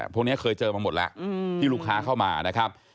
พวกนี้เคยเจอมาหมดแล้วที่ลูกค้าเข้ามานะครับ